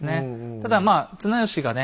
ただまあ綱吉がね